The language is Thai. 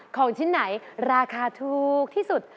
ของชิ้นไหนราคาถูกที่สุด